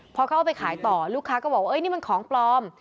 พอเขาเอาไปขายต่อลูกค้าก็บอกว่านี่มันของปลอม